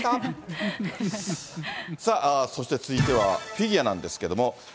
さあ、そして続いてはフィギュアなんですけれども、